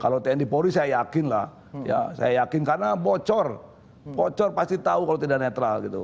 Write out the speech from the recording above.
kalau tni polri saya yakin lah ya saya yakin karena bocor bocor pasti tahu kalau tidak netral gitu